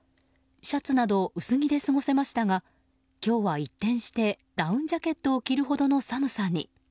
シャツなど薄着で過ごせましたが今日は一転してダウンジャケットを着るほどの寒さに。